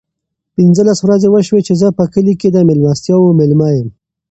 پینځلس ورځې وشوې چې زه په کلي کې د مېلمستیاوو مېلمه یم.